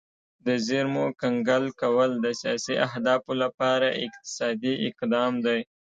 د زیرمو کنګل کول د سیاسي اهدافو لپاره اقتصادي اقدام دی